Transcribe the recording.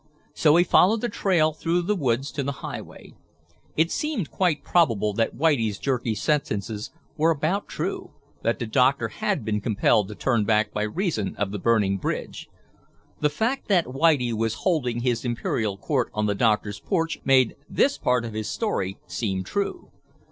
So he followed the trail through the woods to the highway. It seemed quite probable that Whitie's jerky sentences were about true, that the doctor had been compelled to turn back by reason of the burning bridge. The fact that Whitie was holding his imperial court on the doctor's porch made this part of his story seem true.